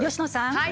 はい！